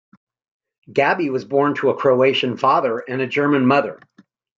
Gabi was born to a Croatian father and a German mother.